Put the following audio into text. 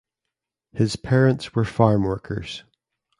His parents were farmworkers.